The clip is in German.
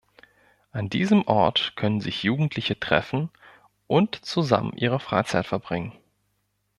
An diesem Ort können sich Jugendliche treffen und zusammen ihre Freizeit verbringen.